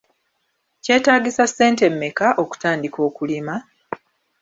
Kyetaagisa ssente mmeka okutandika okulima?